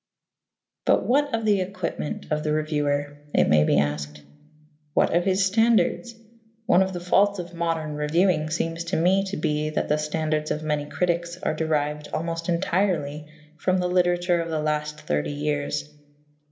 But what of the equipment of the reviewer? it may be asked. What of his standards? One of the faults of modern reviewing seems to me to be that the standards of many critics are derived almost entirely from the literature of the last thirty years.